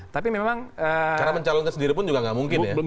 karena mencalonkan sendiri pun juga gak mungkin ya